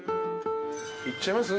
いっちゃいます？